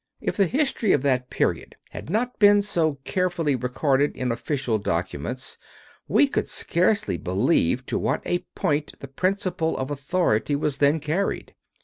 If the history of that period had not been so carefully recorded in official documents, we could scarcely believe to what a point the principle of authority was then carried.